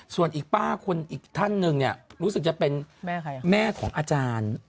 ส่วนอีกป้าคนอีกท่านหนึ่งเนี่ยรู้สึกจะเป็นแม่ของอาจารย์